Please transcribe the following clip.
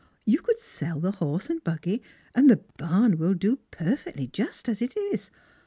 You could sell the horse and buggy, and the barn will do perfectly, just as it is.